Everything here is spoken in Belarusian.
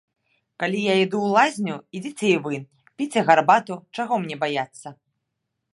Калі я іду ў лазню, ідзіце і вы, піце гарбату, чаго мне баяцца.